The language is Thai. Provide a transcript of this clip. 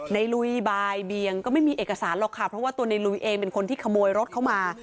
ลุยบายเบียงก็ไม่มีเอกสารหรอกค่ะเพราะว่าตัวในลุยเองเป็นคนที่ขโมยรถเข้ามา